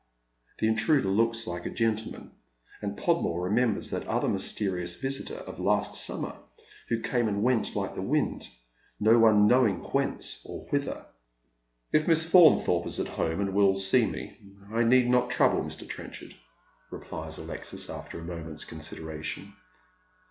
The intruder looks like a gentleman, and Podmore remembers that other mysterious visitor of last summer, who came and went like the wind, no one know ing whence or whither. "If Miss Faunthorpe is at home and will see me, I need not trouble Mr. Trenchard," replies Alexis after a moment's con sideration.